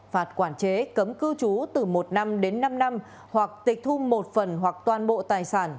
phạt quản chế cấm cư trú từ một năm đến năm năm hoặc tịch thu một phần hoặc toàn bộ tài sản